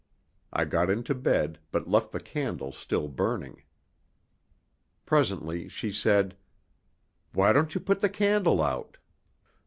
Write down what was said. I got into bed, but left the candle still burning. Presently she said: "Why don't you put the candle out?"